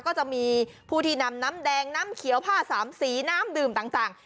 ก็จะมีผู้ที่นำน้ำแดงน้ำเขียวผ้าสามสีน้ำดื่มต่าง